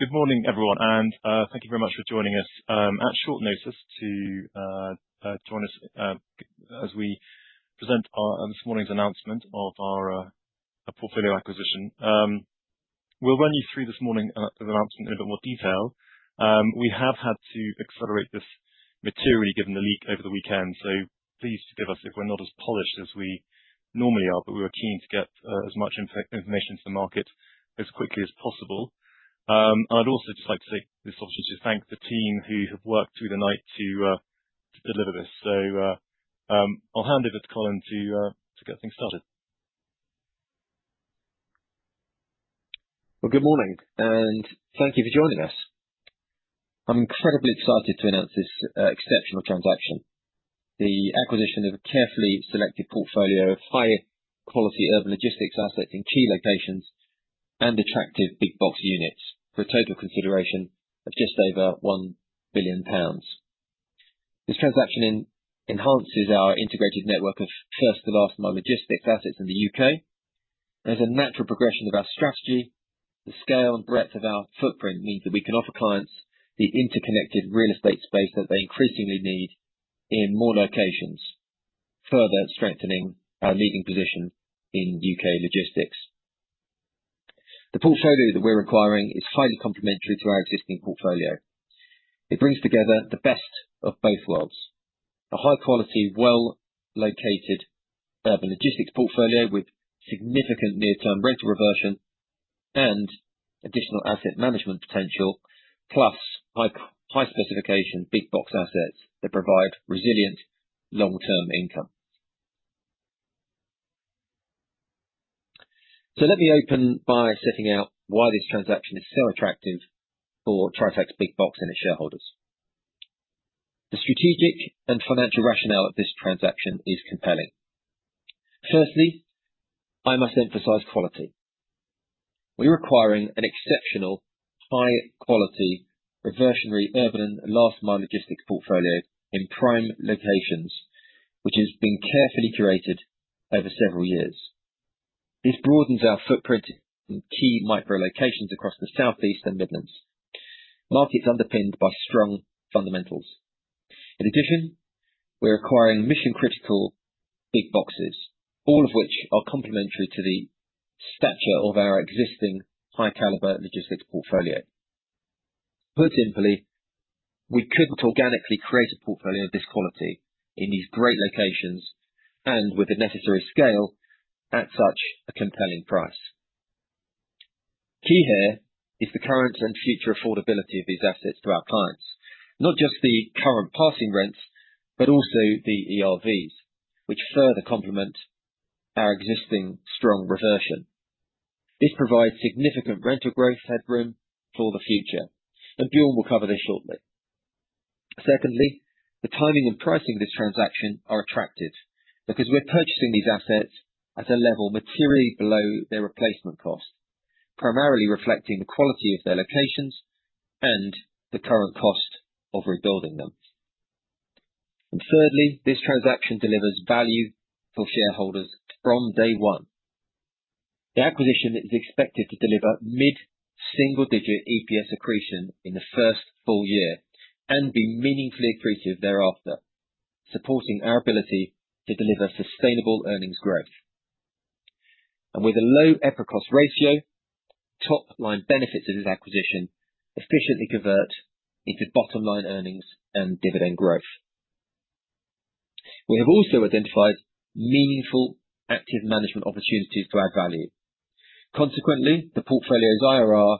Good morning, everyone, and thank you very much for joining us at short notice as we present this morning's announcement of our portfolio acquisition. We'll run you through this morning's announcement in a bit more detail. We have had to accelerate this materially given the leak over the weekend, so please forgive us if we're not as polished as we normally are, but we were keen to get as much information to the market as quickly as possible. I'd also just like to take this opportunity to thank the team who have worked through the night to deliver this, so I'll hand over to Colin to get things started. Good morning, and thank you for joining us. I'm incredibly excited to announce this exceptional transaction: the acquisition of a carefully selected portfolio of high-quality urban logistics assets in key locations and attractive Big Box units for a total consideration of just over 1 billion pounds. This transaction enhances our integrated network of first-to-last-mile logistics assets in the U.K. As a natural progression of our strategy, the scale and breadth of our footprint means that we can offer clients the interconnected real estate space that they increasingly need in more locations, further strengthening our leading position in U.K. logistics. The portfolio that we're acquiring is highly complementary to our existing portfolio. It brings together the best of both worlds: a high-quality, well-located urban logistics portfolio with significant near-term rental reversion and additional asset management potential, plus high-specification Big Box assets that provide resilient long-term income. So let me open by setting out why this transaction is so attractive for Tritax Big Box and its shareholders. The strategic and financial rationale of this transaction is compelling. Firstly, I must emphasize quality. We're acquiring an exceptional high-quality reversionary urban last-mile logistics portfolio in prime locations, which has been carefully curated over several years. This broadens our footprint in key micro locations across the South East and Midlands, markets underpinned by strong fundamentals. In addition, we're acquiring mission-critical Big Boxes, all of which are complementary to the stature of our existing high-caliber logistics portfolio. Put simply, we couldn't organically create a portfolio of this quality in these great locations and with the necessary scale at such a compelling price. Key here is the current and future affordability of these assets to our clients, not just the current passing rents, but also the ERVs, which further complement our existing strong reversion. This provides significant rental growth headroom for the future, and Bjorn will cover this shortly. Secondly, the timing and pricing of this transaction are attractive because we're purchasing these assets at a level materially below their replacement cost, primarily reflecting the quality of their locations and the current cost of rebuilding them, and thirdly, this transaction delivers value for shareholders from day one. The acquisition is expected to deliver mid-single-digit EPS accretion in the first full year and be meaningfully accretive thereafter, supporting our ability to deliver sustainable earnings growth, and with a low EPRA cost ratio, top-line benefits of this acquisition efficiently convert into bottom-line earnings and dividend growth. We have also identified meaningful active management opportunities to add value. Consequently, the portfolio's IRR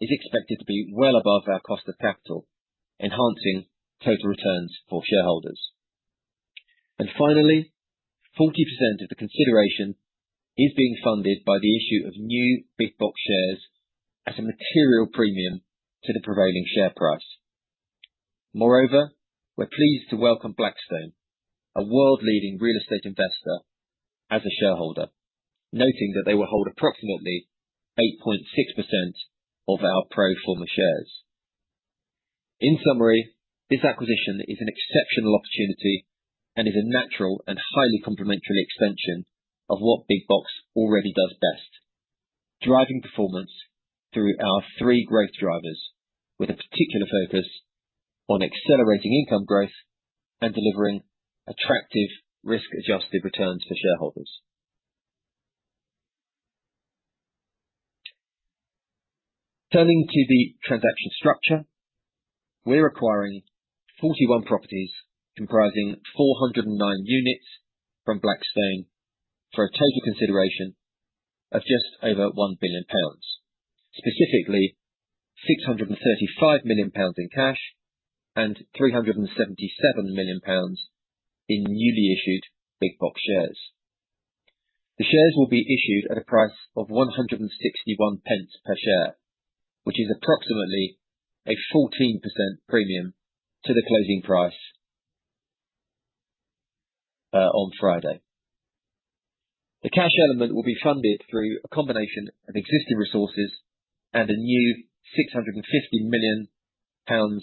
is expected to be well above our cost of capital, enhancing total returns for shareholders, and finally, 40% of the consideration is being funded by the issue of new Big Box shares at a material premium to the prevailing share price. Moreover, we're pleased to welcome Blackstone, a world-leading real estate investor as a shareholder, noting that they will hold approximately 8.6% of our pro forma shares. In summary, this acquisition is an exceptional opportunity and is a natural and highly complementary extension of what Big Box already does best: driving performance through our three growth drivers, with a particular focus on accelerating income growth and delivering attractive risk-adjusted returns for shareholders. Turning to the transaction structure, we're acquiring 41 properties comprising 409 units from Blackstone for a total consideration of just over 1 billion pounds, specifically 635 million pounds in cash and 377 million pounds in newly issued Big Box shares. The shares will be issued at a price of 1.61 per share, which is approximately a 14% premium to the closing price on Friday. The cash element will be funded through a combination of existing resources and a new 650 million pounds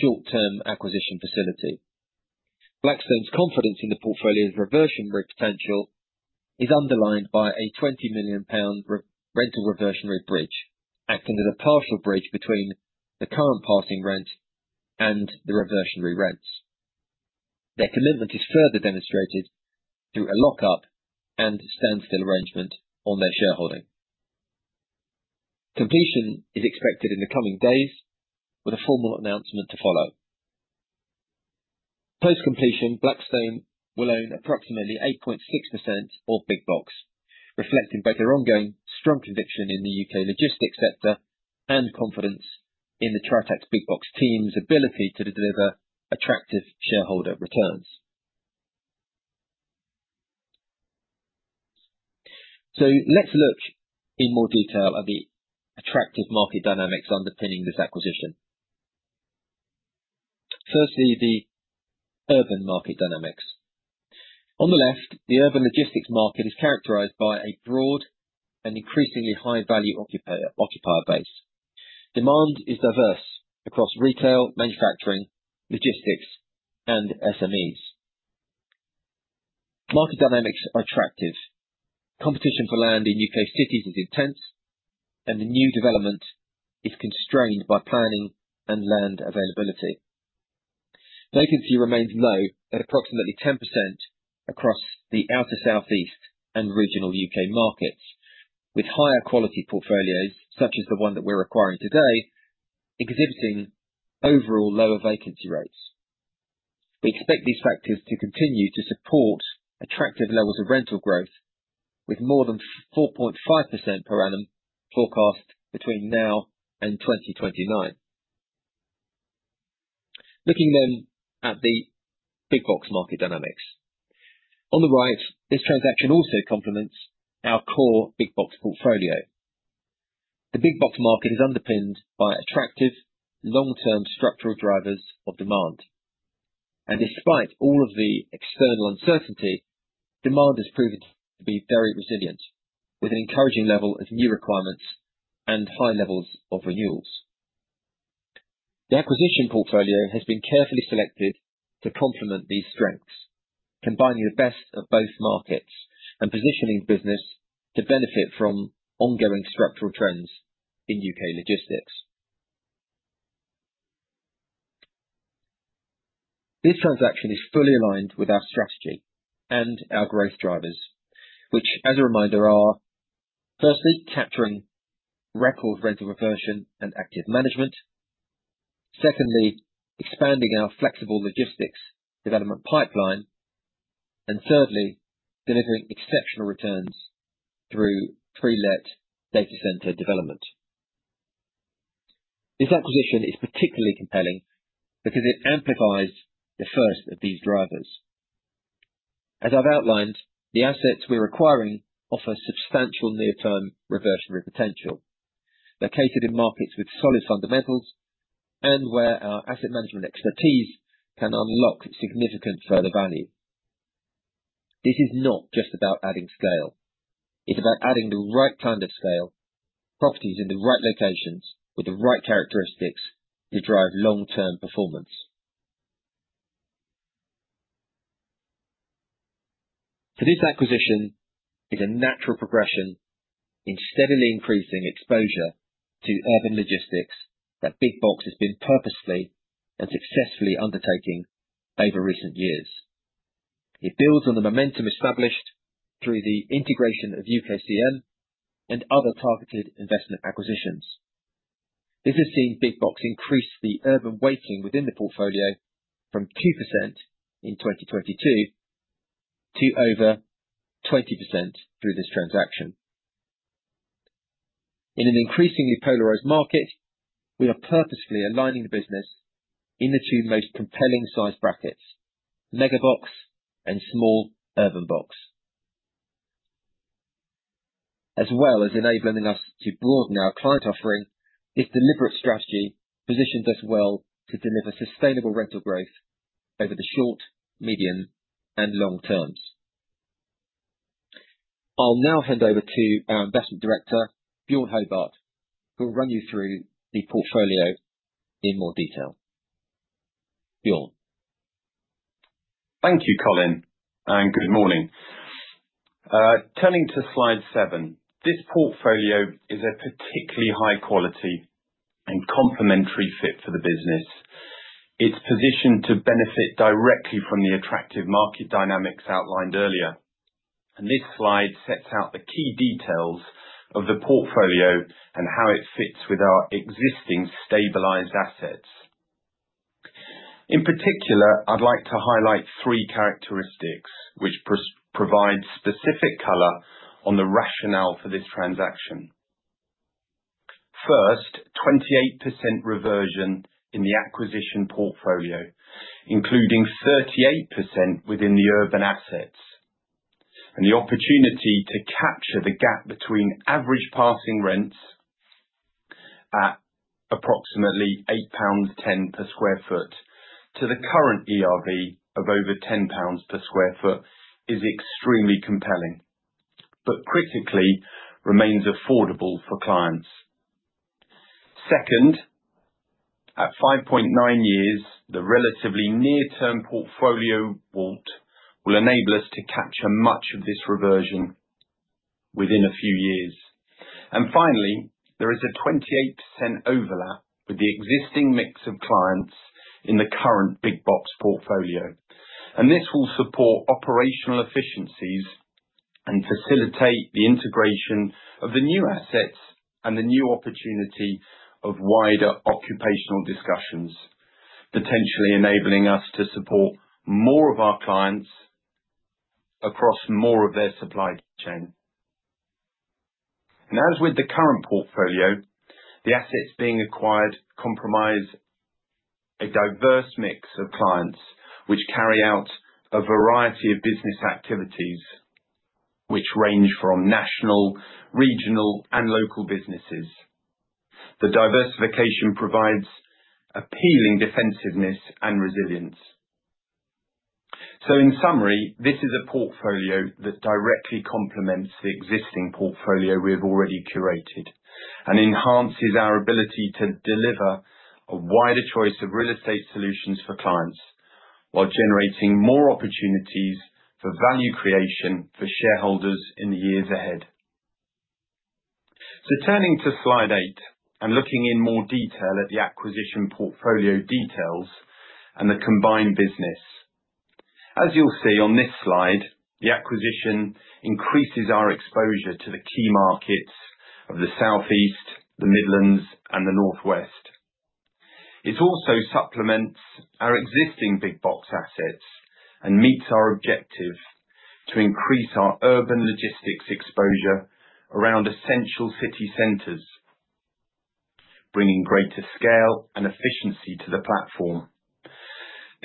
short-term acquisition facility. Blackstone's confidence in the portfolio's reversionary potential is underlined by a 20 million pound rental reversionary bridge acting as a partial bridge between the current passing rent and the reversionary rents. Their commitment is further demonstrated through a lock-up and standstill arrangement on their shareholding. Completion is expected in the coming days, with a formal announcement to follow. Post-completion, Blackstone will own approximately 8.6% of Big Box, reflecting both their ongoing strong conviction in the U.K. logistics sector and confidence in the Tritax Big Box team's ability to deliver attractive shareholder returns. So let's look in more detail at the attractive market dynamics underpinning this acquisition. Firstly, the urban market dynamics. On the left, the urban logistics market is characterized by a broad and increasingly high-value occupier base. Demand is diverse across retail, manufacturing, logistics, and SMEs. Market dynamics are attractive. Competition for land in U.K. cities is intense, and the new development is constrained by planning and land availability. Vacancy remains low at approximately 10% across the outer South East and regional U.K. markets, with higher quality portfolios such as the one that we're acquiring today exhibiting overall lower vacancy rates. We expect these factors to continue to support attractive levels of rental growth, with more than 4.5% per annum forecast between now and 2029. Looking then at the Big Box market dynamics, on the right, this transaction also complements our core Big Box portfolio. The Big Box market is underpinned by attractive long-term structural drivers of demand. And despite all of the external uncertainty, demand has proven to be very resilient, with an encouraging level of new requirements and high levels of renewals. The acquisition portfolio has been carefully selected to complement these strengths, combining the best of both markets and positioning the business to benefit from ongoing structural trends in U.K. logistics. This transaction is fully aligned with our strategy and our growth drivers, which, as a reminder, are firstly capturing record rental reversion and active management, secondly expanding our flexible logistics development pipeline, and thirdly delivering exceptional returns through pre-let data center development. This acquisition is particularly compelling because it amplifies the first of these drivers. As I've outlined, the assets we're acquiring offer substantial near-term reversionary potential, located in markets with solid fundamentals and where our asset management expertise can unlock significant further value. This is not just about adding scale. It's about adding the right kind of scale, properties in the right locations with the right characteristics to drive long-term performance. So this acquisition is a natural progression in steadily increasing exposure to urban logistics that Big Box has been purposely and successfully undertaking over recent years. It builds on the momentum established through the integration of UKCM and other targeted investment acquisitions. This has seen Big Box increase the urban weighting within the portfolio from 2% in 2022 to over 20% through this transaction. In an increasingly polarized market, we are purposefully aligning the business in the two most compelling size brackets: mega box and small urban box. As well as enabling us to broaden our client offering, this deliberate strategy positions us well to deliver sustainable rental growth over the short, medium, and long terms. I'll now hand over to our investment director, Bjorn Hobart, who will run you through the portfolio in more detail. Bjorn. Thank you, Colin, and good morning. Turning to slide seven, this portfolio is a particularly high-quality and complementary fit for the business. It's positioned to benefit directly from the attractive market dynamics outlined earlier. And this slide sets out the key details of the portfolio and how it fits with our existing stabilized assets. In particular, I'd like to highlight three characteristics which provide specific color on the rationale for this transaction. First, 28% reversion in the acquisition portfolio, including 38% within the urban assets. And the opportunity to capture the gap between average passing rents at approximately 8.10 pounds per sq ft to the current ERV of over 10 pounds per sq ft is extremely compelling, but critically remains affordable for clients. Second, at 5.9 years, the relatively near-term portfolio will enable us to capture much of this reversion within a few years. And finally, there is a 28% overlap with the existing mix of clients in the current Big Box portfolio. And this will support operational efficiencies and facilitate the integration of the new assets and the new opportunity of wider occupier discussions, potentially enabling us to support more of our clients across more of their supply chain. And as with the current portfolio, the assets being acquired comprise a diverse mix of clients which carry out a variety of business activities which range from national, regional, and local businesses. The diversification provides appealing defensiveness and resilience. So in summary, this is a portfolio that directly complements the existing portfolio we have already curated and enhances our ability to deliver a wider choice of real estate solutions for clients while generating more opportunities for value creation for shareholders in the years ahead. So turning to slide eight and looking in more detail at the acquisition portfolio details and the combined business. As you'll see on this slide, the acquisition increases our exposure to the key markets of the South East, the Midlands, and the North West. It also supplements our existing Big Box assets and meets our objective to increase our urban logistics exposure around essential city centers, bringing greater scale and efficiency to the platform.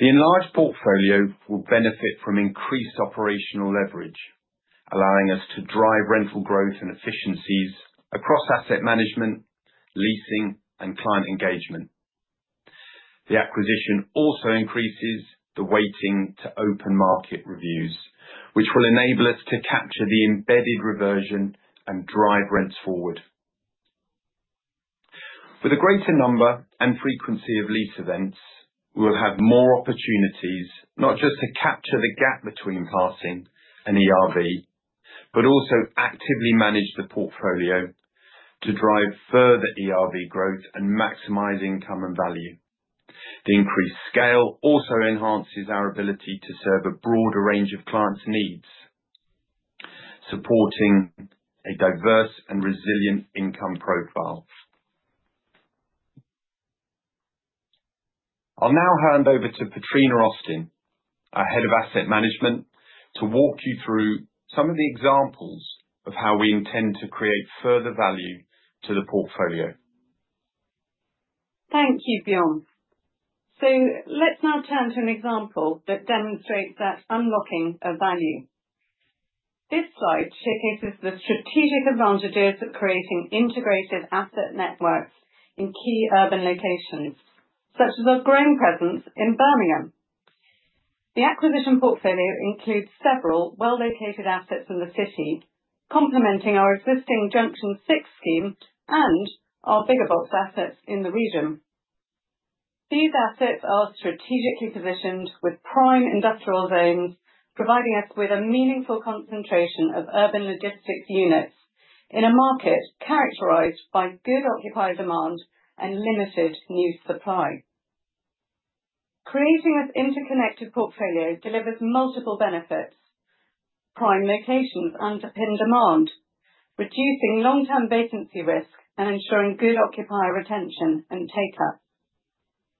The enlarged portfolio will benefit from increased operational leverage, allowing us to drive rental growth and efficiencies across asset management, leasing, and client engagement. The acquisition also increases the weighting to open market reviews, which will enable us to capture the embedded reversion and drive rents forward. With a greater number and frequency of lease events, we will have more opportunities not just to capture the gap between passing and ERV, but also actively manage the portfolio to drive further ERV growth and maximize income and value. The increased scale also enhances our ability to serve a broader range of clients' needs, supporting a diverse and resilient income profile. I'll now hand over to Petrina Austin, our Head of Asset Management, to walk you through some of the examples of how we intend to create further value to the portfolio. Thank you, Bjorn, so let's now turn to an example that demonstrates that unlocking of value. This slide showcases the strategic advantages of creating integrated asset networks in key urban locations, such as our growing presence in Birmingham. The acquisition portfolio includes several well-located assets in the city, complementing our existing Junction 6 scheme and our Big Box assets in the region. These assets are strategically positioned with prime industrial zones, providing us with a meaningful concentration of urban logistics units in a market characterized by good occupier demand and limited new supply. Creating this interconnected portfolio delivers multiple benefits. Prime locations underpin demand, reducing long-term vacancy risk and ensuring good occupier retention and take-up.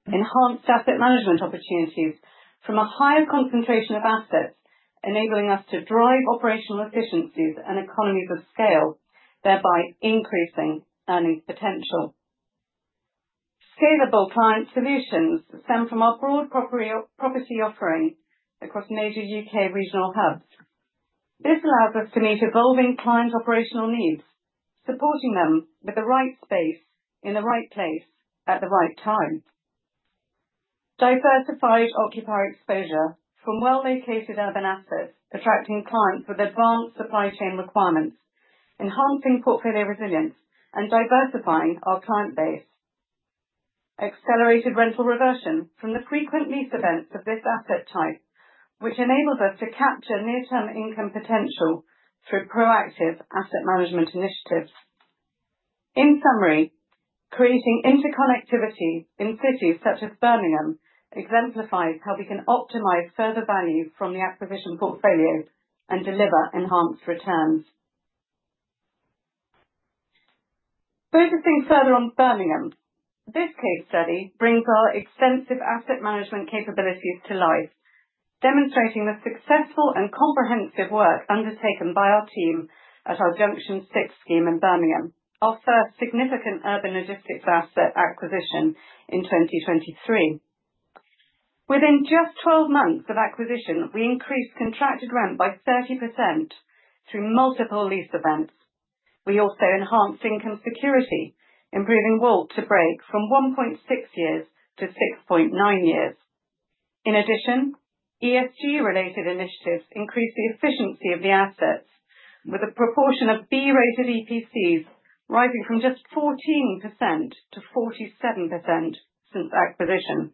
Enhanced asset management opportunities from a higher concentration of assets, enabling us to drive operational efficiencies and economies of scale, thereby increasing earning potential. Scalable client solutions stem from our broad property offering across major U.K. regional hubs. This allows us to meet evolving client operational needs, supporting them with the right space in the right place at the right time. Diversified occupier exposure from well-located urban assets attracting clients with advanced supply chain requirements, enhancing portfolio resilience and diversifying our client base. Accelerated rental reversion from the frequent lease events of this asset type, which enables us to capture near-term income potential through proactive asset management initiatives. In summary, creating interconnectivity in cities such as Birmingham exemplifies how we can optimize further value from the acquisition portfolio and deliver enhanced returns. Focusing further on Birmingham, this case study brings our extensive asset management capabilities to life, demonstrating the successful and comprehensive work undertaken by our team at our Junction 6 scheme in Birmingham, our first significant urban logistics asset acquisition in 2023. Within just 12 months of acquisition, we increased contracted rent by 30% through multiple lease events. We also enhanced income security, improving WALT from 1.6 years to 6.9 years. In addition, ESG-related initiatives increased the efficiency of the assets, with a proportion of B-rated EPCs rising from just 14% to 47% since acquisition.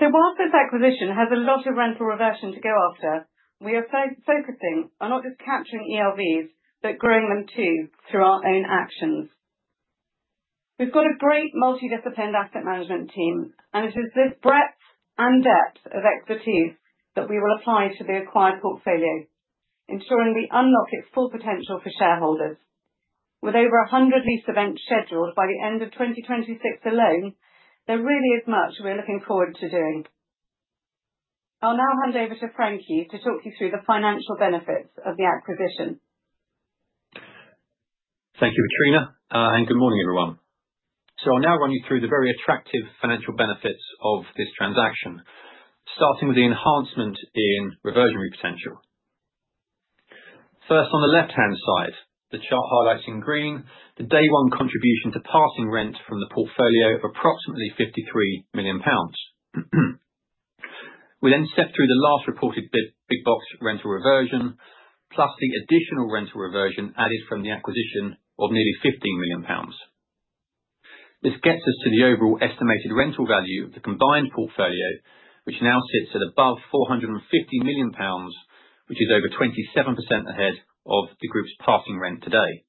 So while this acquisition has a lot of rental reversion to go after, we are focusing on not just capturing ERVs, but growing them too through our own actions. We've got a great multidisciplinary asset management team, and it is this breadth and depth of expertise that we will apply to the acquired portfolio, ensuring we unlock its full potential for shareholders. With over 100 lease events scheduled by the end of 2026 alone, there really is much we're looking forward to doing. I'll now hand over to Frankie to talk you through the financial benefits of the acquisition. Thank you, Petrina, and good morning, everyone. So I'll now run you through the very attractive financial benefits of this transaction, starting with the enhancement in reversionary potential. First, on the left-hand side, the chart highlights in green the day-one contribution to passing rent from the portfolio of approximately 53 million pounds. We then step through the last reported Big Box rental reversion, plus the additional rental reversion added from the acquisition of nearly 15 million pounds. This gets us to the overall estimated rental value of the combined portfolio, which now sits at above 450 million pounds, which is over 27% ahead of the group's passing rent today.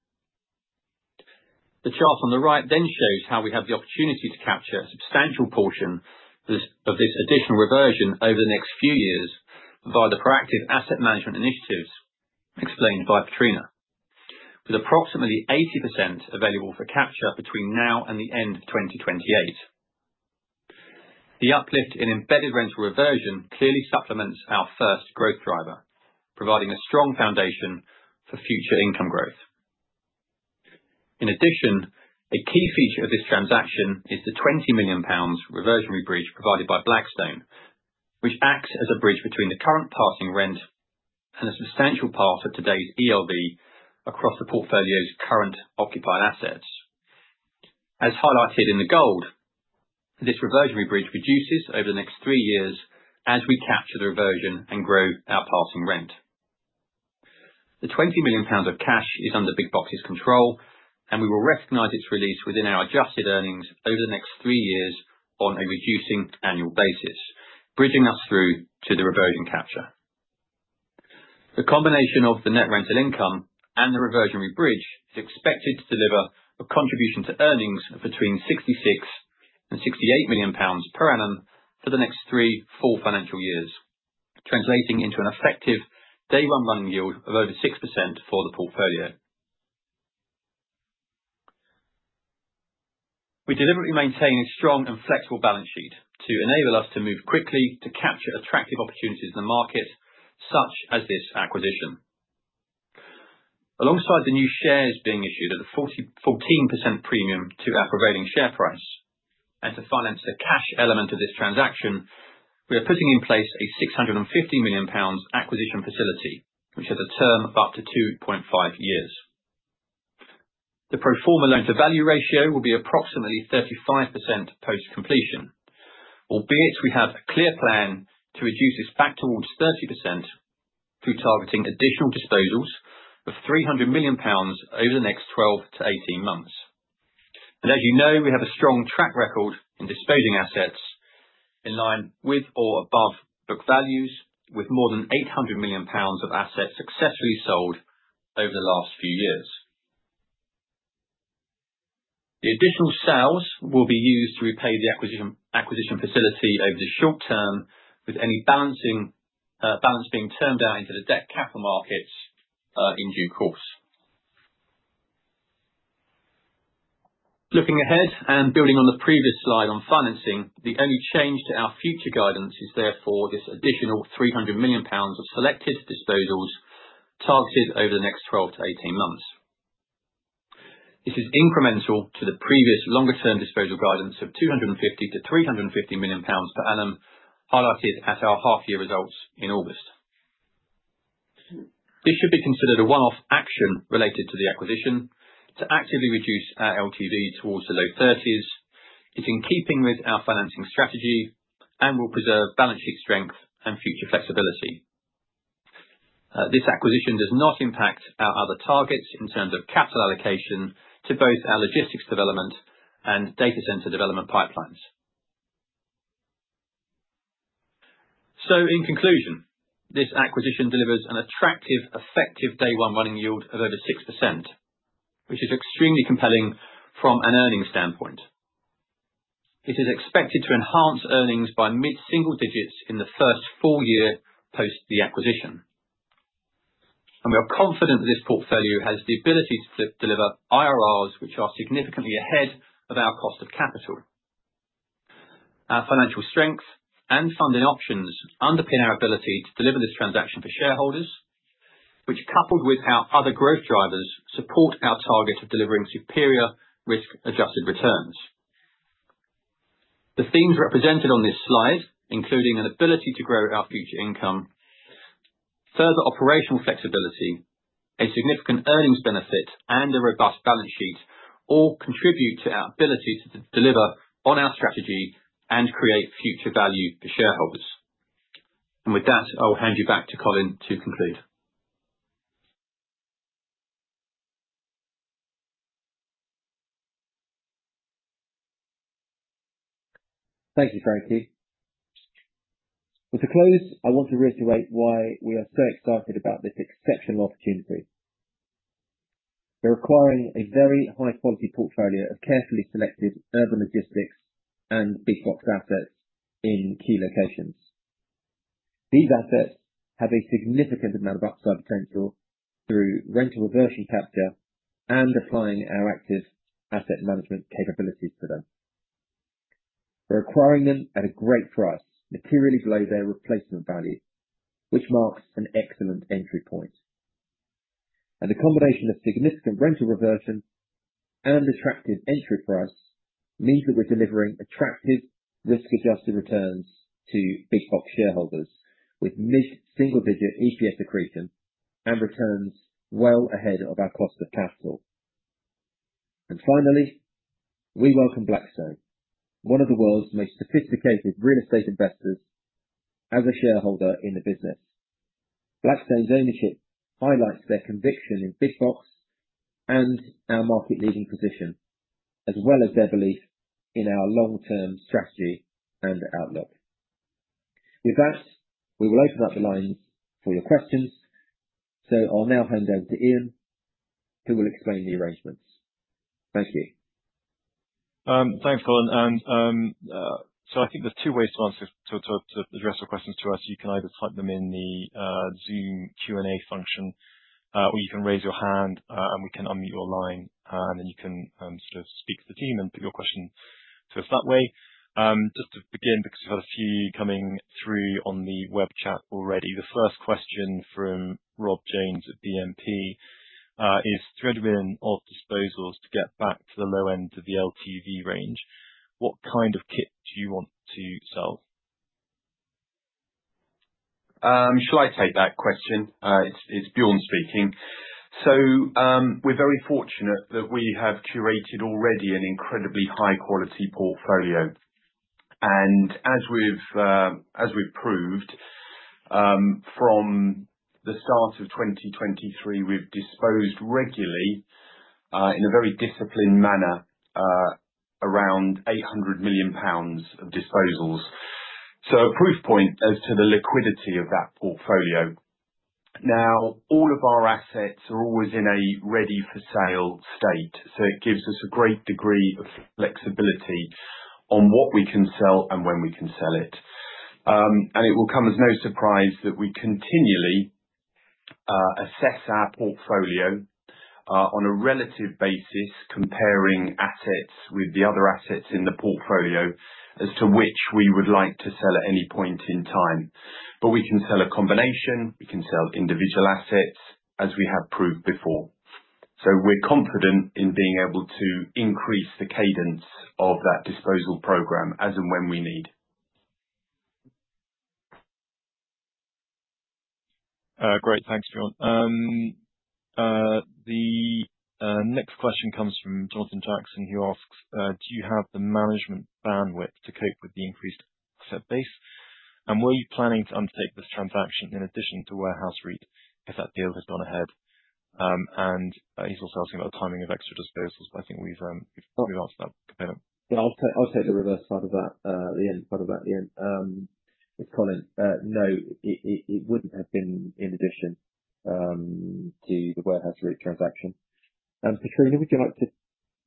The chart on the right then shows how we have the opportunity to capture a substantial portion of this additional reversion over the next few years via the proactive asset management initiatives explained by Petrina, with approximately 80% available for capture between now and the end of 2028. The uplift in embedded rental reversion clearly supplements our first growth driver, providing a strong foundation for future income growth. In addition, a key feature of this transaction is the 20 million pounds reversionary bridge provided by Blackstone, which acts as a bridge between the current passing rent and a substantial part of today's ERV across the portfolio's current occupier assets. As highlighted in the gold, this reversionary bridge reduces over the next three years as we capture the reversion and grow our passing rent. The 20 million pounds of cash is under Big Box's control, and we will recognize its release within our adjusted earnings over the next three years on a reducing annual basis, bridging us through to the reversion capture. The combination of the net rental income and the reversionary bridge is expected to deliver a contribution to earnings of between 66 and 68 million pounds per annum for the next three, four financial years, translating into an effective day-one running yield of over 6% for the portfolio. We deliberately maintain a strong and flexible balance sheet to enable us to move quickly to capture attractive opportunities in the market, such as this acquisition. Alongside the new shares being issued at a 14% premium to our prevailing share price, and to finance the cash element of this transaction, we are putting in place a 650 million pounds acquisition facility, which has a term of up to 2.5 years. The pro forma loan-to-value ratio will be approximately 35% post-completion, albeit we have a clear plan to reduce this back towards 30% through targeting additional disposals of 300 million pounds over the next 12-18 months, and as you know, we have a strong track record in disposing assets in line with or above book values, with more than 800 million pounds of assets successfully sold over the last few years. The additional sales will be used to repay the acquisition facility over the short term, with any balance being turned out into the debt capital markets in due course. Looking ahead and building on the previous slide on financing, the only change to our future guidance is therefore this additional 300 million pounds of selected disposals targeted over the next 12-18 months. This is incremental to the previous longer-term disposal guidance of 250-350 million pounds per annum highlighted at our half-year results in August. This should be considered a one-off action related to the acquisition to actively reduce our LTV towards the low 30s. It's in keeping with our financing strategy and will preserve balance sheet strength and future flexibility. This acquisition does not impact our other targets in terms of capital allocation to both our logistics development and data center development pipelines. So in conclusion, this acquisition delivers an attractive, effective day-one running yield of over 6%, which is extremely compelling from an earnings standpoint. It is expected to enhance earnings by mid-single digits in the first four years post the acquisition. And we are confident that this portfolio has the ability to deliver IRRs, which are significantly ahead of our cost of capital. Our financial strength and funding options underpin our ability to deliver this transaction for shareholders, which, coupled with our other growth drivers, support our target of delivering superior risk-adjusted returns. The themes represented on this slide, including an ability to grow our future income, further operational flexibility, a significant earnings benefit, and a robust balance sheet, all contribute to our ability to deliver on our strategy and create future value for shareholders. And with that, I will hand you back to Colin to conclude. Thank you, Frankie. Well, to close, I want to reiterate why we are so excited about this exceptional opportunity. We're acquiring a very high-quality portfolio of carefully selected urban logistics and Big Box assets in key locations. These assets have a significant amount of upside potential through rental reversion capture and applying our active asset management capabilities to them. We're acquiring them at a great price, materially below their replacement value, which marks an excellent entry point. And the combination of significant rental reversion and attractive entry price means that we're delivering attractive risk-adjusted returns to Big Box shareholders with mid-single digit EPS accretion and returns well ahead of our cost of capital. And finally, we welcome Blackstone, one of the world's most sophisticated real estate investors as a shareholder in the business. Blackstone's ownership highlights their conviction in Big Box and our market-leading position, as well as their belief in our long-term strategy and outlook. With that, we will open up the lines for your questions. So I'll now hand over to Ian, who will explain the arrangements. Thank you. Thanks, Colin. And so I think there's two ways to answer to address your questions to us. You can either type them in the Zoom Q&A function, or you can raise your hand, and we can unmute your line, and then you can sort of speak to the team and put your question to us that way. Just to begin, because we've had a few coming through on the web chat already, the first question from Rob James at BNP Paribas is, "300 million of disposals to get back to the low end of the LTV range. What kind of kit do you want to sell? Shall I take that question? It's Bjorn speaking, so we're very fortunate that we have curated already an incredibly high-quality portfolio, and as we've proved from the start of 2023, we've disposed regularly in a very disciplined manner around 800 million pounds of disposals, so a proof point as to the liquidity of that portfolio. Now, all of our assets are always in a ready-for-sale state, so it gives us a great degree of flexibility on what we can sell and when we can sell it, and it will come as no surprise that we continually assess our portfolio on a relative basis, comparing assets with the other assets in the portfolio as to which we would like to sell at any point in time, but we can sell a combination. We can sell individual assets, as we have proved before. So we're confident in being able to increase the cadence of that disposal program as and when we need. Great. Thanks, Bjorn. The next question comes from Jonathan Jackson, who asks, "Do you have the management bandwidth to cope with the increased asset base? And were you planning to undertake this transaction in addition to Warehouse REIT if that deal had gone ahead?" And he's also asking about the timing of extra disposals, but I think we've answered that component. Yeah, I'll take the reverse part of that, the end part of that, the end. It's Colin. No, it wouldn't have been in addition to the Warehouse REIT transaction. And Petrina, would you like to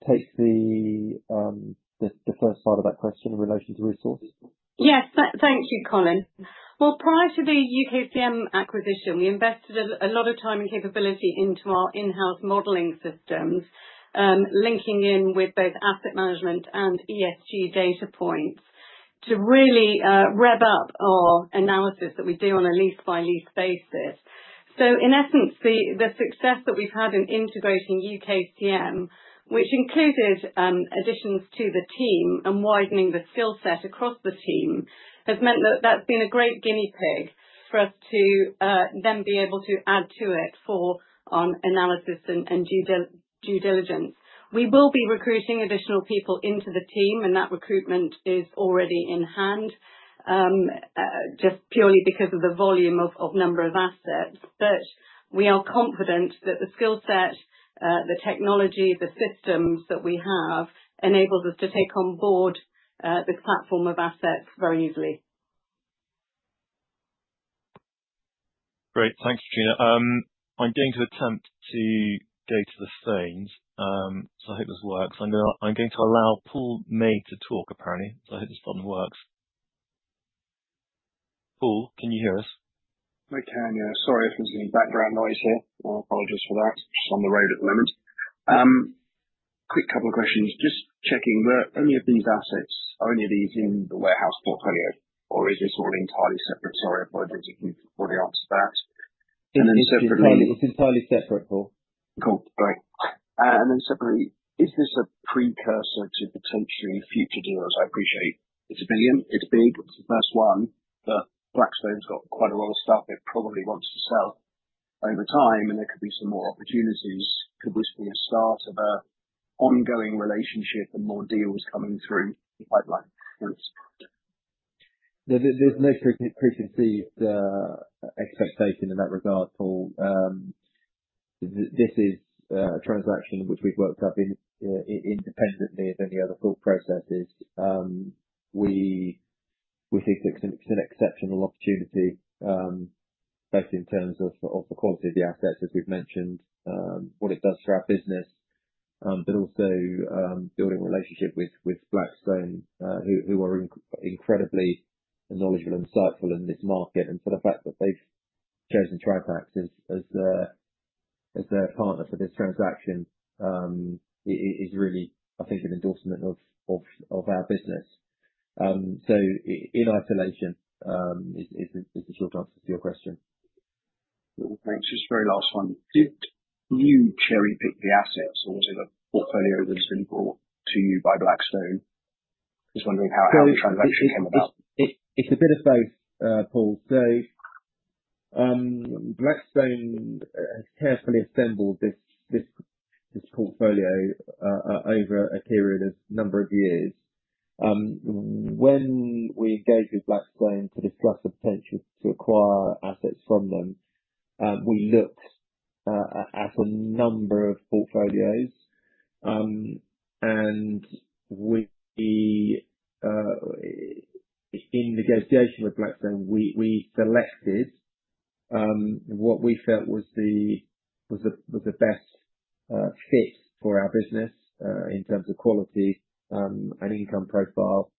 take the first part of that question in relation to resource? Yes, thank you, Colin. Well, prior to the UKCM acquisition, we invested a lot of time and capability into our in-house modeling systems, linking in with both asset management and ESG data points to really rev up our analysis that we do on a lease-by-lease basis. So in essence, the success that we've had in integrating UKCM, which included additions to the team and widening the skill set across the team, has meant that that's been a great guinea pig for us to then be able to add to it for analysis and due diligence. We will be recruiting additional people into the team, and that recruitment is already in hand, just purely because of the volume of number of assets. But we are confident that the skill set, the technology, the systems that we have enables us to take on board this platform of assets very easily. Great. Thanks, Petrina. I'm going to attempt to go to the phones, so I hope this works. I'm going to allow Paul May to talk, apparently, so I hope this button works. Paul, can you hear us? I can, yeah. Sorry if there's any background noise here. I apologize for that. Just on the road at the moment. Quick couple of questions. Just checking, were any of these assets only these in the warehouse portfolio, or is this all entirely separate? Sorry, I apologize if you've already answered that. And then separately. It's entirely separate, Paul. Cool. Great, and then separately, is this a precursor to potentially future deals? I appreciate it's a billion. It's big. It's the first one, but Blackstone's got quite a lot of stuff it probably wants to sell over time, and there could be some more opportunities. Could this be a start of an ongoing relationship and more deals coming through the pipeline? There's no preconceived expectation in that regard, Paul. This is a transaction which we've worked up independently of any other thought processes. We think it's an exceptional opportunity, both in terms of the quality of the assets, as we've mentioned, what it does for our business, but also building a relationship with Blackstone, who are incredibly knowledgeable and insightful in this market. And so the fact that they've chosen Tritax as their partner for this transaction is really, I think, an endorsement of our business. So in isolation is the short answer to your question. Thanks. Just very last one. Did you cherry-pick the assets, or was it a portfolio that was being brought to you by Blackstone? Just wondering how the transaction came about. It's a bit of both, Paul, so Blackstone has carefully assembled this portfolio over a period of a number of years. When we engaged with Blackstone to discuss the potential to acquire assets from them, we looked at a number of portfolios, and in negotiation with Blackstone, we selected what we felt was the best fit for our business in terms of quality and income profile,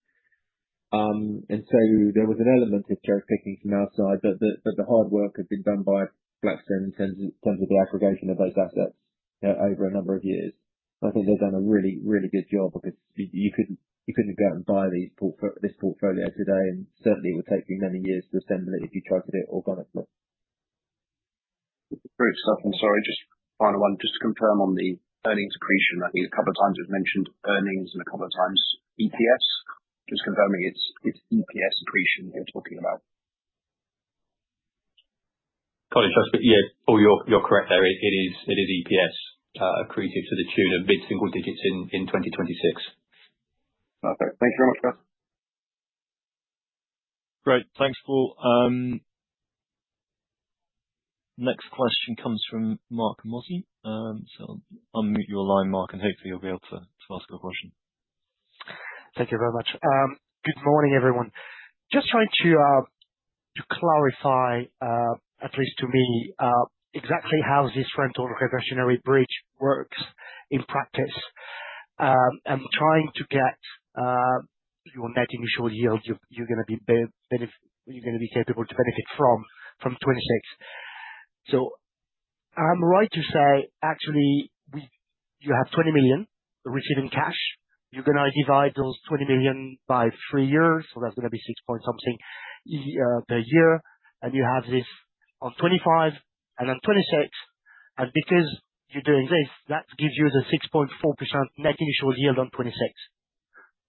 and so there was an element of cherry-picking from our side, but the hard work had been done by Blackstone in terms of the aggregation of those assets over a number of years. I think they've done a really, really good job because you couldn't go out and buy this portfolio today, and certainly, it would take you many years to assemble it if you tried to do it organically. Great stuff. And sorry, just final one. Just to confirm on the earnings accretion, I think a couple of times it was mentioned earnings and a couple of times EPS. Just confirming it's EPS accretion you're talking about. Colin, yeah, Paul, you're correct there. It is EPS accretive to the tune of mid-single digits in 2026. Perfect. Thank you very much, guys. Great. Thanks, Paul. Next question comes from Marc Mozzi. So I'll mute your line, Marc, and hopefully, you'll be able to ask a question. Thank you very much. Good morning, everyone. Just trying to clarify, at least to me, exactly how this reversionary bridge works in practice. I'm trying to get. Your net initial yield, you're going to be capable to benefit from 2026. So I'm right to say, actually, you have 20 million receiving cash. You're going to divide those 20 million by three years, so that's going to be 6 point something per year. And you have this on 2025 and on 2026. And because you're doing this, that gives you the 6.4% net initial yield on 2026.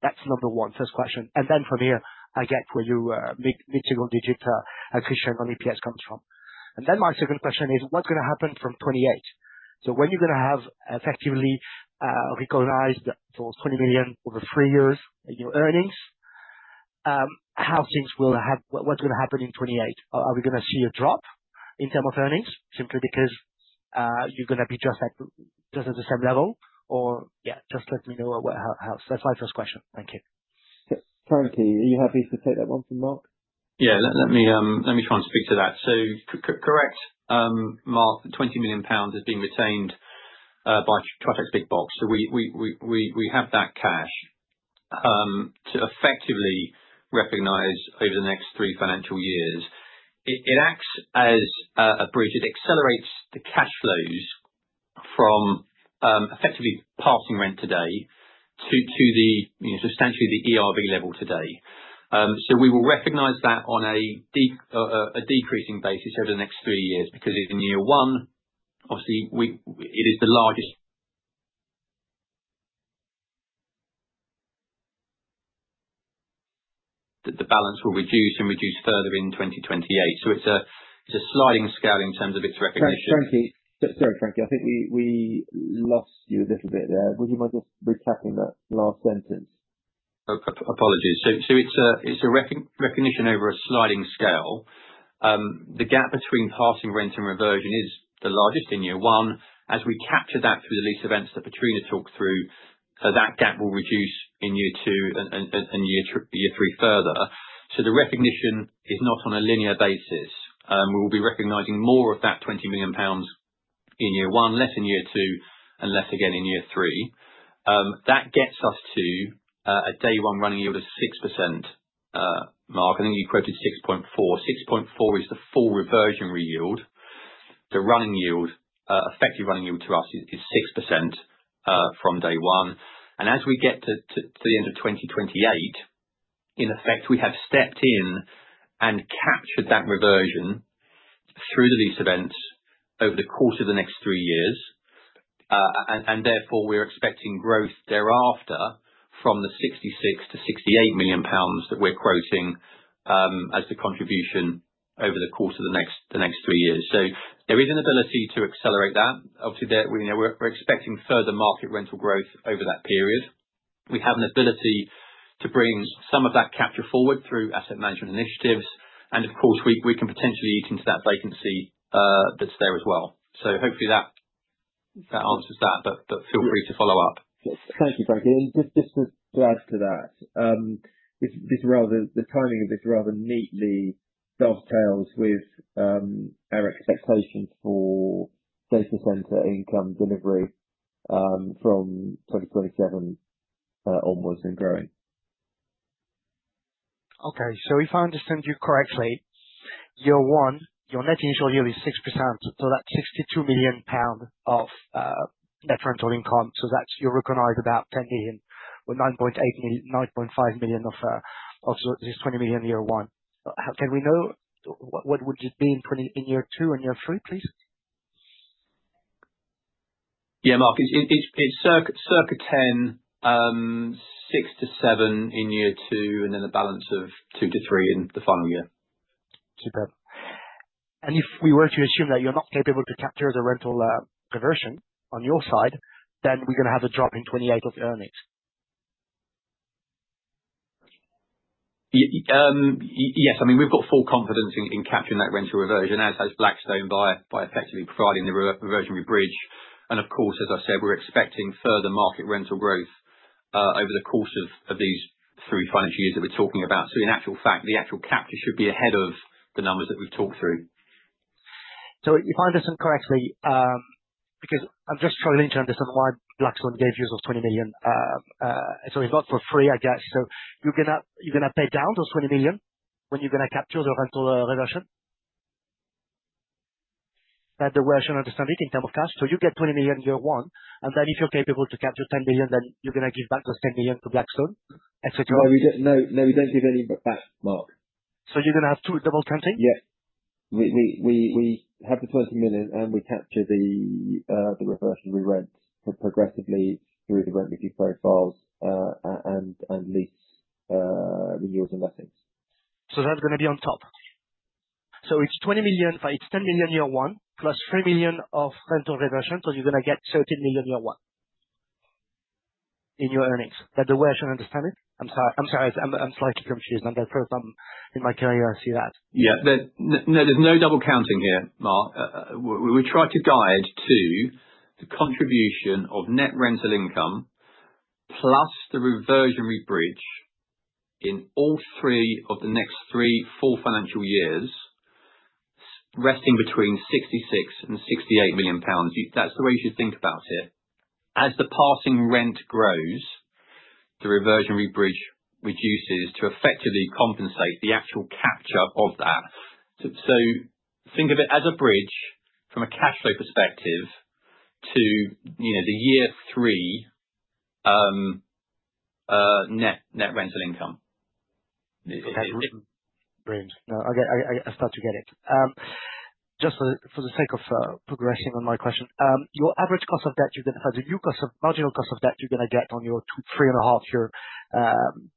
That's number one, first question. And then from here, I get where your mid-single digit accretion on EPS comes from. And then my second question is, what's going to happen from 2028? So when you're going to have effectively recognized those 20 million over three years in your earnings, how things will have, what's going to happen in 2028? Are we going to see a drop in terms of earnings simply because you're going to be just at the same level? Or yeah, just let me know how. So that's my first question. Thank you. Frankie, are you happy to take that one from Marc? Yeah, let me try and speak to that. So correct, Marc, the 20 million pounds has been retained by Tritax Big Box. So we have that cash to effectively recognize over the next three financial years. It acts as a bridge. It accelerates the cash flows from effectively passing rent today to substantially the ERV level today. So we will recognize that on a decreasing basis over the next three years because in year one, obviously, it is the largest. The balance will reduce and reduce further in 2028. So it's a sliding scale in terms of its recognition. Sorry, Frankie. I think we lost you a little bit there. Would you mind just recapping that last sentence? Apologies. So it's a recognition over a sliding scale. The gap between passing rent and reversion is the largest in year one. As we capture that through the lease events that Petrina talked through, that gap will reduce in year two and year three further. So the recognition is not on a linear basis. We will be recognizing more of that 20 million pounds in year one, less in year two, and less again in year three. That gets us to a day one running yield of 6%, Marc. I think you quoted 6.4. 6.4 is the full reversionary yield. The effective running yield to us is 6% from day one. And as we get to the end of 2028, in effect, we have stepped in and captured that reversion through the lease events over the course of the next three years. And therefore, we're expecting growth thereafter from the 66 million-68 million pounds that we're quoting as the contribution over the course of the next three years. So there is an ability to accelerate that. Obviously, we're expecting further market rental growth over that period. We have an ability to bring some of that capture forward through asset management initiatives. And of course, we can potentially eat into that vacancy that's there as well. So hopefully, that answers that, but feel free to follow up. Thank you, Frankie. And just to add to that, the timing of this rather neatly dovetails with our expectation for data center income delivery from 2027 onwards and growing. Okay. So if I understand you correctly, year one, your net initial yield is 6%. So that's 62 million pounds of net rental income. So you recognize about 10 million or 9.5 million of this 20 million year one. Can we know what would it be in year two and year three, please? Yeah, Marc. It's circa 10, 6-7 in year two, and then a balance of 2-3 in the final year. Superb. And if we were to assume that you're not capable to capture the rental reversion on your side, then we're going to have a drop in 28 of the earnings? Yes. I mean, we've got full confidence in capturing that rental reversion, as has Blackstone by effectively providing the reversionary bridge. And of course, as I said, we're expecting further market rental growth over the course of these three financial years that we're talking about. So in actual fact, the actual capture should be ahead of the numbers that we've talked through. So if I understand correctly, because I'm just struggling to understand why Blackstone gave you those 20 million? So it's not for free, I guess. So you're going to pay down those 20 million when you're going to capture the rental reversion? That the way I should understand it in terms of cash? So you get 20 million year one, and then if you're capable to capture 10 million, then you're going to give back those 10 million to Blackstone, et cetera? No, we don't give any back, Marc. You're going to have double counting? Yeah. We have the 20 million, and we capture the reversionary rent progressively through the rent review profiles and lease renewals and lettings. So that's going to be on top. So it's 20 million, 10 million year one, +3 million of rental reversion. So you're going to get 13 million year one in your earnings. That the way I should understand it? I'm sorry. I'm slightly confused. I'm the first time in my career I see that. Yeah. No, there's no double counting here, Marc. We try to guide to the contribution of net rental income plus the reversionary bridge in all three of the next three, four financial years resulting between 66 and 68 million pounds. That's the way you should think about it. As the passing rent grows, the reversionary bridge reduces to effectively compensate the actual capture of that. So think of it as a bridge from a cash flow perspective to the year three net rental income. Okay. Brilliant. I start to get it. Just for the sake of progressing on my question, your average cost of debt, the new marginal cost of debt you're going to get on your three and a half year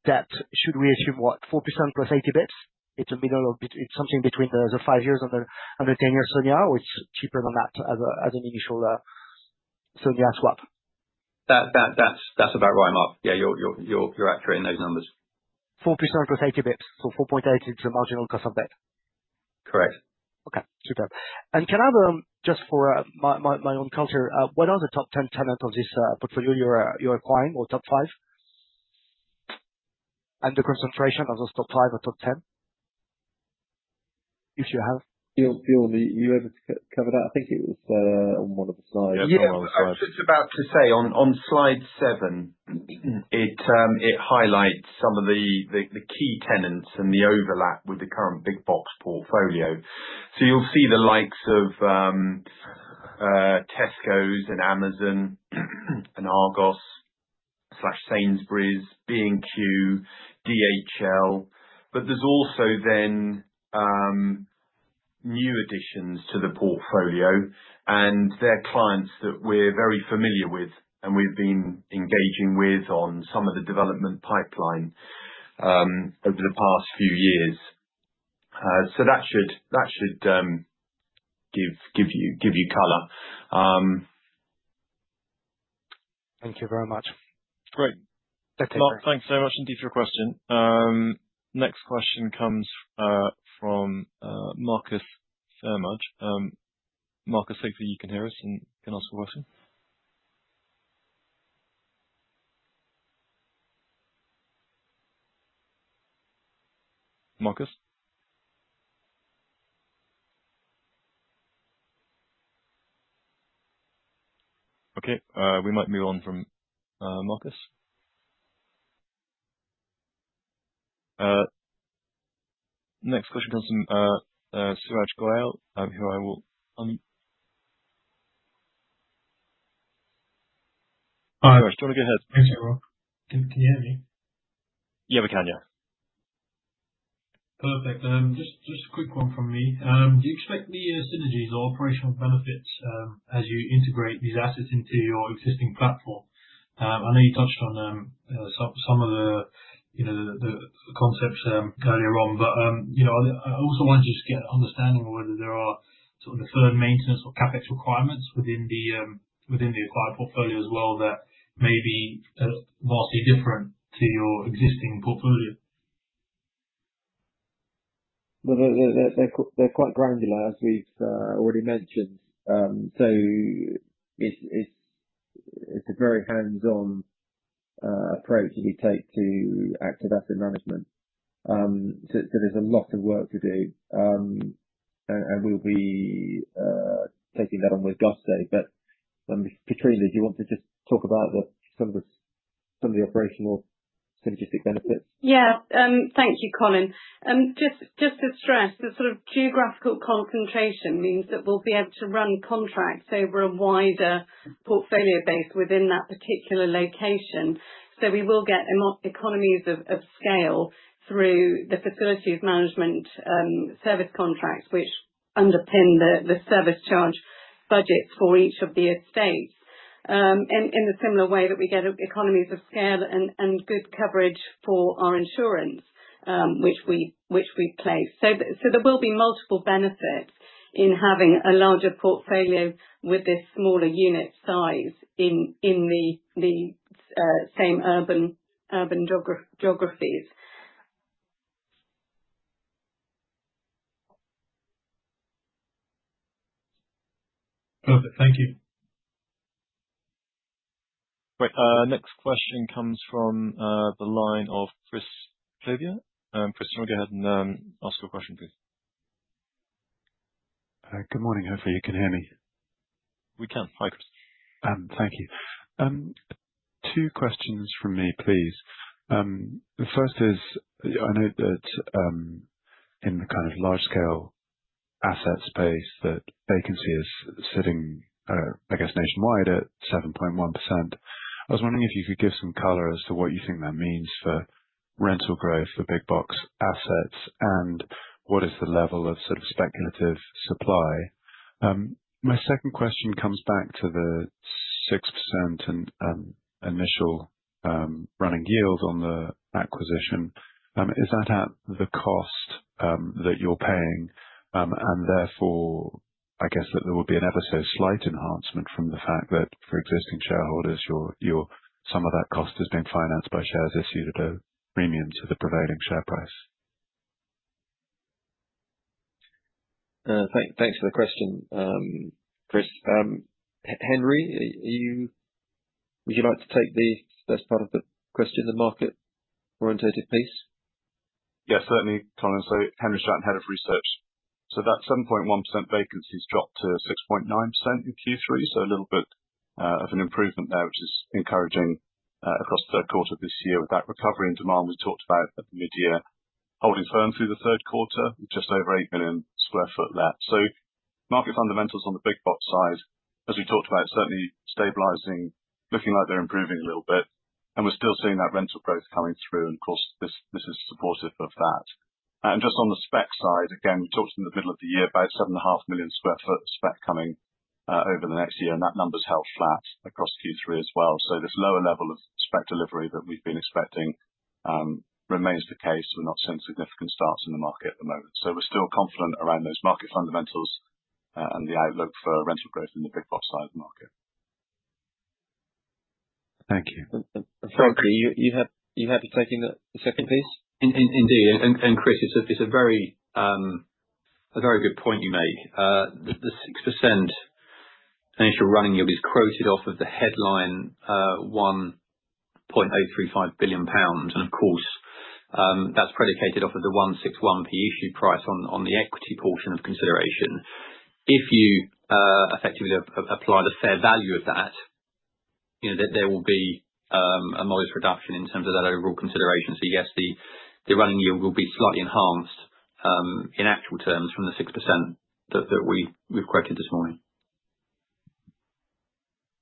debt, should we assume what, 4%+80 bps? It's something between the five years and the 10 years SONIA, or it's cheaper than that as an initial SONIA swap? That's about right, Marc. Yeah, you're accurate in those numbers. 4%+80 bps. So 4.8% is the marginal cost of debt. Correct. Okay. Superb. And can I have just for my own culture, what are the top 10 tenants of this portfolio you're acquiring, or top five? And the concentration of those top five or top 10 if you have? Bjorn, were you able to cover that? I think it was on one of the slides. Yeah, I was just about to say, on slide seven, it highlights some of the key tenants and the overlap with the current Big Box portfolio. So you'll see the likes of Tesco's and Amazon and Argos/Sainsbury's, B&Q, DHL. But there's also then new additions to the portfolio and their clients that we're very familiar with and we've been engaging with on some of the development pipeline over the past few years. So that should give you color. Thank you very much. Great. Thanks, Marc. Thanks very much indeed for your question. Next question comes from Marcus Phayre-Mudge. Marcus, hopefully, you can hear us and can ask a question. Marcus? Okay. We might move on from Marcus. Next question comes from Suraj Goyal, who I will. Hi. Suraj, do you want to go ahead? Thanks. Can you hear me? Yeah, we can, yeah. Perfect. Just a quick one from me. Do you expect any synergies or operational benefits as you integrate these assets into your existing platform? I know you touched on some of the concepts earlier on, but I also wanted to just get an understanding of whether there are sort of the firm maintenance or CapEx requirements within the acquired portfolio as well that may be vastly different to your existing portfolio. Well, they're quite granular, as we've already mentioned. So it's a very hands-on approach that we take to active asset management. So there's a lot of work to do, and we'll be taking that on with gusto. But Petrina, do you want to just talk about some of the operational synergistic benefits? Yeah. Thank you, Colin. Just to stress, the sort of geographical concentration means that we'll be able to run contracts over a wider portfolio base within that particular location. So we will get economies of scale through the facilities management service contracts, which underpin the service charge budgets for each of the estates in the similar way that we get economies of scale and good coverage for our insurance, which we place. So there will be multiple benefits in having a larger portfolio with this smaller unit size in the same urban geographies. Perfect. Thank you. Great. Next question comes from the line of Chris Clothier, Chris, do you want to go ahead and ask your question, please? Good morning. Hopefully, you can hear me. We can. Hi, Chris. Thank you. Two questions from me, please. The first is, I know that in the kind of large-scale asset space, that vacancy is sitting, I guess, nationwide at 7.1%. I was wondering if you could give some color as to what you think that means for rental growth for Big Box assets and what is the level of sort of speculative supply. My second question comes back to the 6% initial running yield on the acquisition. Is that at the cost that you're paying? And therefore, I guess that there would be an ever so slight enhancement from the fact that for existing shareholders, some of that cost is being financed by shares issued at a premium to the prevailing share price. Thanks for the question, Chris. Henry, would you like to take the first part of the question, the market-oriented piece? Yeah, certainly, Colin, so Henry Stratton, Head of Research, so that 7.1% vacancy has dropped to 6.9% in Q3, so a little bit of an improvement there, which is encouraging across the third quarter of this year with that recovery in demand we talked about at the mid-year, holding firm through the third quarter, just over 8 million sq ft left, so market fundamentals on the Big Box side, as we talked about, certainly stabilizing, looking like they're improving a little bit, and we're still seeing that rental growth coming through, and of course, this is supportive of that, and just on the spec side, again, we talked in the middle of the year about 7.5 million sq ft spec coming over the next year, and that number's held flat across Q3 as well, so this lower level of spec delivery that we've been expecting remains the case. We're not seeing significant starts in the market at the moment, so we're still confident around those market fundamentals and the outlook for rental growth in the Big Box side of the market. Thank you. Frankie, you had to take in the second piece. Indeed. And Chris, it's a very good point you make. The 6% initial running yield is quoted off of the headline 1.035 billion pounds. And of course, that's predicated off of the 1.61 issue price on the equity portion of consideration. If you effectively apply the fair value of that, there will be a modest reduction in terms of that overall consideration. So yes, the running yield will be slightly enhanced in actual terms from the 6% that we've quoted this morning.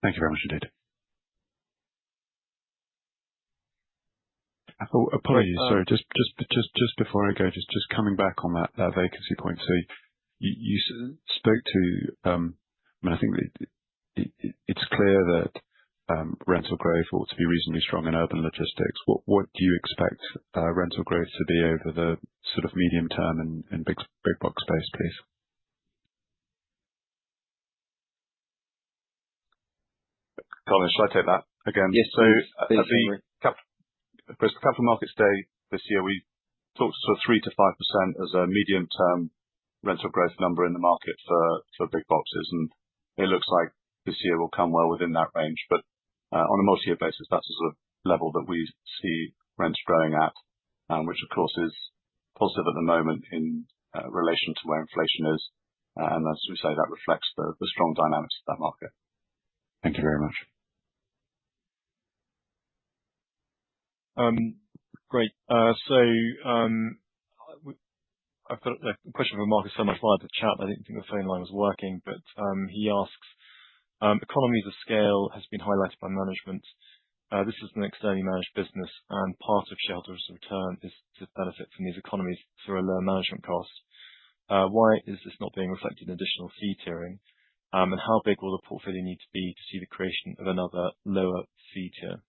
Thank you very much indeed. Apologies, sorry. Just before I go, just coming back on that vacancy point. So you spoke to, I mean, I think it's clear that rental growth ought to be reasonably strong in urban logistics. What do you expect rental growth to be over the sort of medium term in Big Box space, please? Colin, shall I take that again? Yes. Chris, a couple of markets today this year, we talked sort of 3%-5% as a medium-term rental growth number in the market for Big Boxes. It looks like this year will come well within that range. On a multi-year basis, that's the sort of level that we see rents growing at, which of course is positive at the moment in relation to where inflation is. As we say, that reflects the strong dynamics of that market. Thank you very much. Great. So I've got a question from Marcus Phayre-Mudge via the chat. I didn't think the phone line was working, but he asks, "Economies of scale has been highlighted by management. This is an externally managed business, and part of shareholders' return is to benefit from these economies through a low management cost. Why is this not being reflected in additional fee tiering? And how big will the portfolio need to be to see the creation of another lower fee tier?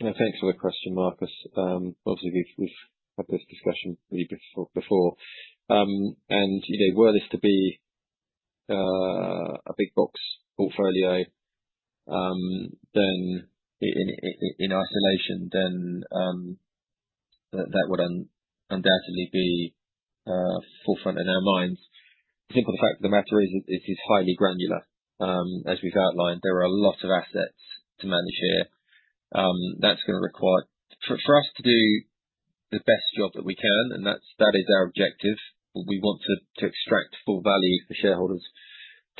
Yeah, thanks for the question, Marcus. Obviously, we've had this discussion before, and were this to be a Big Box portfolio, then in isolation, then that would undoubtedly be forefront in our minds. I think the fact of the matter is it is highly granular. As we've outlined, there are a lot of assets to manage here. That's going to require for us to do the best job that we can, and that is our objective. We want to extract full value for shareholders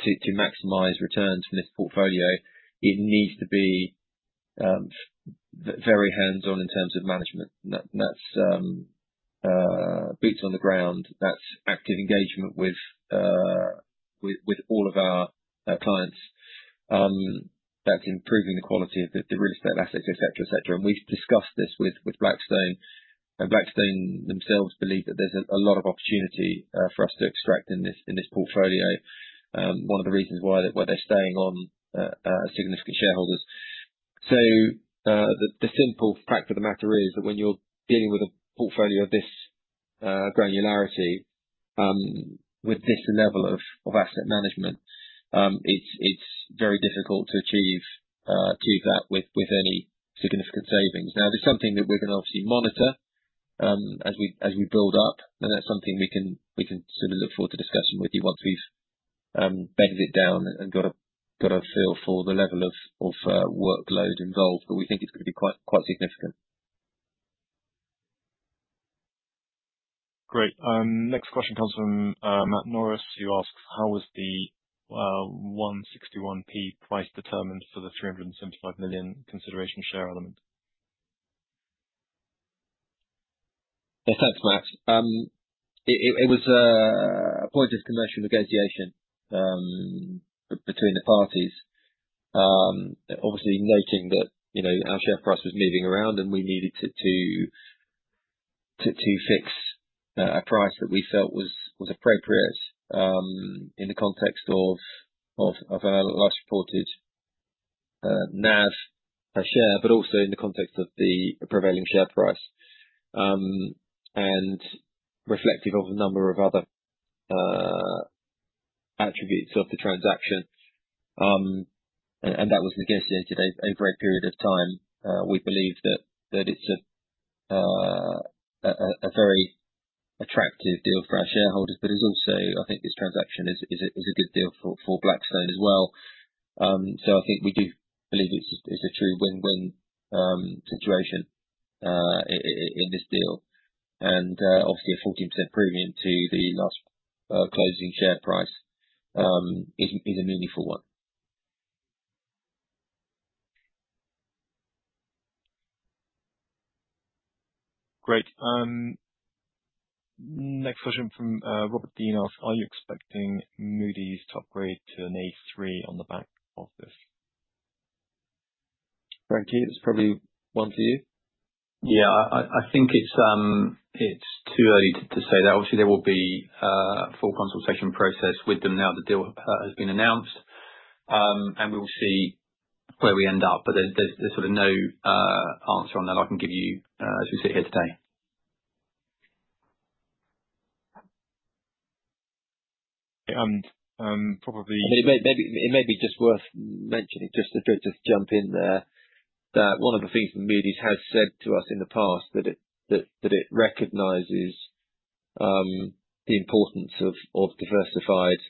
to maximize returns from this portfolio. It needs to be very hands-on in terms of management. That's boots on the ground. That's active engagement with all of our clients. That's improving the quality of the real estate assets, etc., etc., and we've discussed this with Blackstone, and Blackstone themselves believe that there's a lot of opportunity for us to extract in this portfolio. One of the reasons why they're staying on are significant shareholders. So the simple fact of the matter is that when you're dealing with a portfolio of this granularity with this level of asset management, it's very difficult to achieve that with any significant savings. Now, this is something that we're going to obviously monitor as we build up. And that's something we can sort of look forward to discussing with you once we've bedded it down and got a feel for the level of workload involved. But we think it's going to be quite significant. Great. Next question comes from Matt Norris, who asks, "How was the 1.61 price determined for the 375 million consideration share element? Yeah, thanks, Matt. It was a point of commercial negotiation between the parties, obviously noting that our share price was moving around and we needed to fix a price that we felt was appropriate in the context of our last reported NAV per share, but also in the context of the prevailing share price and reflective of a number of other attributes of the transaction. And that was negotiated over a period of time. We believe that it's a very attractive deal for our shareholders, but it's also, I think this transaction is a good deal for Blackstone as well. So I think we do believe it's a true win-win situation in this deal. And obviously, a 14% premium to the last closing share price is a meaningful one. Great. Next question from Robert Deane asks, "Are you expecting Moody's to upgrade to an A3 on the back of this?" Frankie, it's probably one for you. Yeah, I think it's too early to say that. Obviously, there will be a full consultation process with them now that the deal has been announced. And we will see where we end up. But there's sort of no answer on that I can give you as we sit here today. And probably. It may be just worth mentioning, just to jump in there, that one of the things that Moody's has said to us in the past, that it recognizes the importance of diversified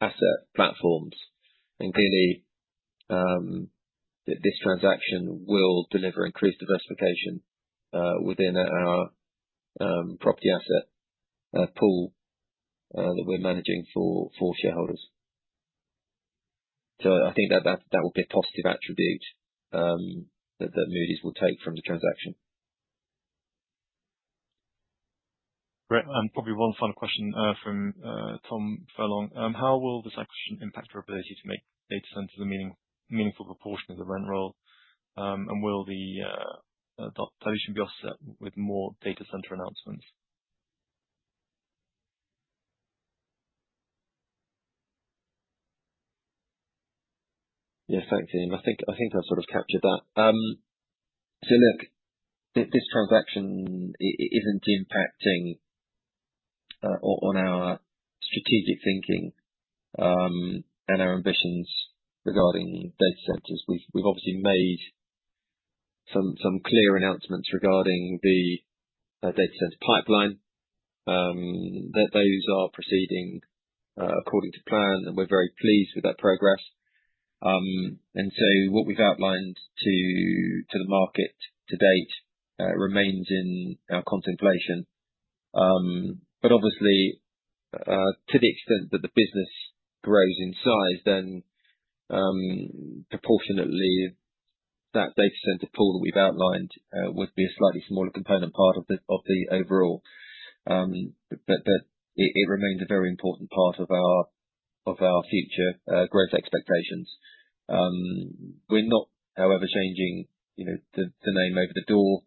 asset platforms. And clearly, this transaction will deliver increased diversification within our property asset pool that we're managing for shareholders. So I think that that will be a positive attribute that Moody's will take from the transaction. Great. And probably one final question from Tom Furlong. "How will this acquisition impact your ability to make data centers a meaningful proportion of the rent roll? And will the dilution be offset with more data center announcements? Yeah, thanks, Ian. I think I've sort of captured that. So look, this transaction isn't impacting on our strategic thinking and our ambitions regarding data centers. We've obviously made some clear announcements regarding the data center pipeline. Those are proceeding according to plan, and we're very pleased with that progress. And so what we've outlined to the market to date remains in our contemplation. But obviously, to the extent that the business grows in size, then proportionately, that data center pool that we've outlined would be a slightly smaller component part of the overall. But it remains a very important part of our future growth expectations. We're not, however, changing the name over the door.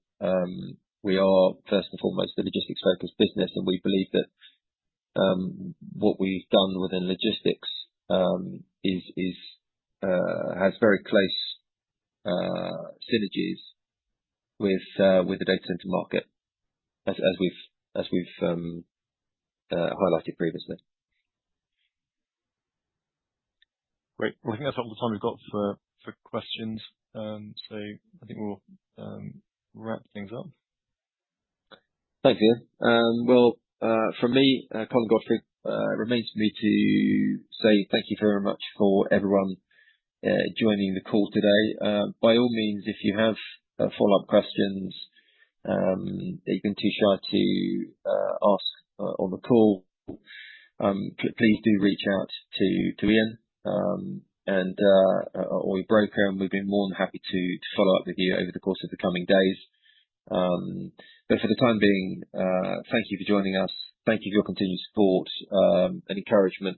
We are, first and foremost, a logistics-focused business. And we believe that what we've done within logistics has very close synergies with the data center market, as we've highlighted previously. Great. Well, I think that's all the time we've got for questions. So I think we'll wrap things up. Thanks, Ian. Well, from me, Colin Godfrey, it remains for me to say thank you very much for everyone joining the call today. By all means, if you have follow-up questions that you've been too shy to ask on the call, please do reach out to Ian or your broker. And we've been more than happy to follow up with you over the course of the coming days. But for the time being, thank you for joining us. Thank you for your continued support and encouragement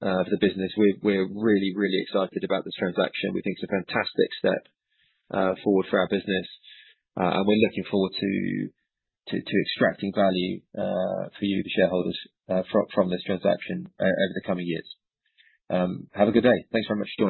for the business. We're really, really excited about this transaction. We think it's a fantastic step forward for our business. And we're looking forward to extracting value for you, the shareholders, from this transaction over the coming years. Have a good day. Thanks very much.